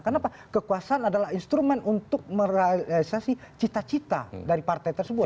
kenapa kekuasaan adalah instrumen untuk merealisasi cita cita dari partai tersebut